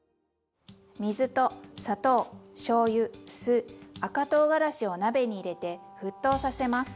水と砂糖しょうゆ酢赤とうがらしを鍋に入れて沸騰させます。